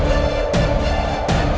aku akan menikah denganmu